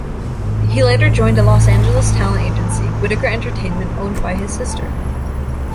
He later joined a Los Angeles talent agency, Whitaker Entertainment, owned by his sister.